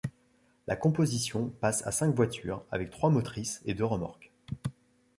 La composition passe à cinq voitures, avec trois motrices et deux remorques.